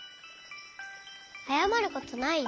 あやまることないよ。